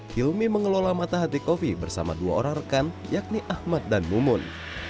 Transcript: hilmi mengelola matahati kopi bersama dua orang rekan yakni ahmad dan mumun